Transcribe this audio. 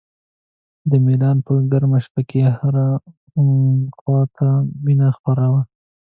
د میلان په ګرمه شپه کې هره خوا ته مینه خپره وي.